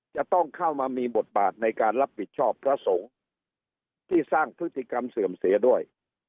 จะต้องเข้ามามีบทบาทในการรับผิดชอบพระสงฆ์ที่สร้างพฤติกรรมเสื่อมเสียด้วย